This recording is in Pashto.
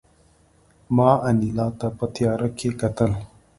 ما انیلا ته په تیاره کې کتل